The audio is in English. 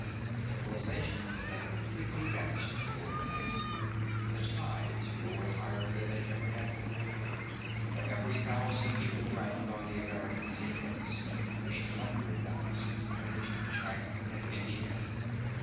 Civilization had completely vanished overnight. The tides roared higher than they ever had before; for every thousand people drowned on the American seaboards, a hundred thousand perished in China and India.